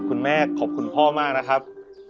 คุณแม่ขอบคุณพ่อมากนะครับ